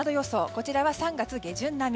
こちらは３月下旬並み。